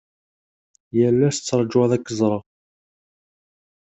Yal ass tṛajuɣ ad ak-ẓreɣ.